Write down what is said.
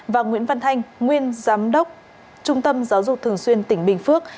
và nguyễn văn thanh nguyên giám đốc trung tâm giáo dục thường xuyên tỉnh bình phước